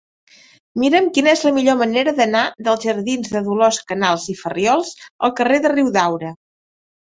Mira'm quina és la millor manera d'anar dels jardins de Dolors Canals i Farriols al carrer de Riudaura.